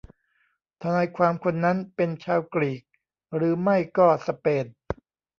ทนายความคนนั้นเป็นชาวกรีกหรือไม่ก็สเปน